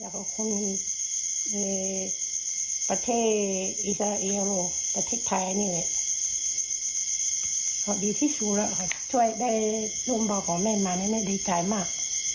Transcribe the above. ขอบคุณประเทศอีสาเอียโรประเทศไทยนี่เลยเขาดีที่สุดแล้วเขาช่วยได้ร่วมบอกของแม่มาแล้วแม่ดีใจมาก